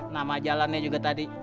nama jalannya juga tadi